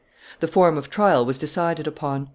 The form of trial was decided upon.